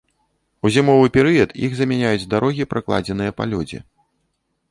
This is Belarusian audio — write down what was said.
У зімовы перыяд іх замяняюць дарогі, пракладзеныя па лёдзе.